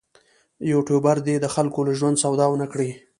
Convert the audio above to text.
یوټوبر دې د خلکو له ژوند سودا ونه کړي.